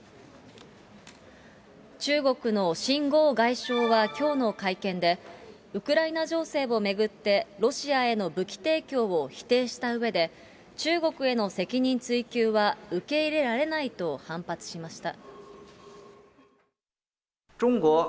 中国の秦剛外相はきょうの会見で、ウクライナ情勢を巡ってロシアへの武器提供を否定したうえで、中国への責任追及は受け入れられないと反発しました。